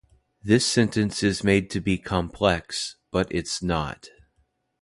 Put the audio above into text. This sentence is made to be complex but it's not